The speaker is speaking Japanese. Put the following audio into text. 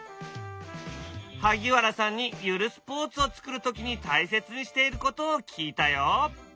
萩原さんにゆるスポーツを作る時に大切にしていることを聞いたよ。